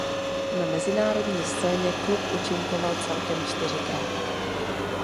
Na mezinárodní scéně klub účinkoval celkem čtyřikrát.